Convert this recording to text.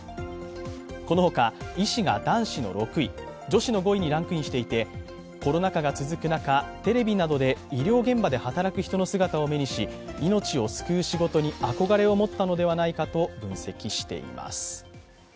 このほか医師が男子の６位、女子の５位にランクインしていてコロナ禍が続く中、テレビなどで医療現場で働く人の姿を目にし、命を救う仕事に憧れを持ったのではないかと分析しています。